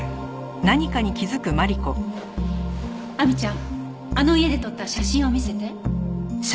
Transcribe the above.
亜美ちゃんあの家で撮った写真を見せて。